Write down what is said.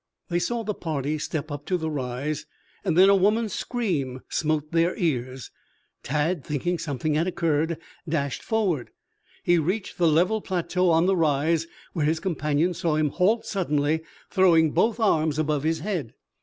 They saw the party step up to the rise, then a woman's scream smote their ears. Tad, thinking something had occurred, dashed forward. He reached the level plateau on the rise, where his companions saw him halt suddenly, throwing both arms above his head.